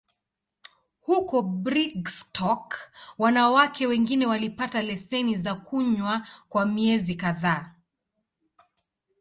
Huko Brigstock, wanawake wengine walipata leseni za kunywa kwa miezi kadhaa.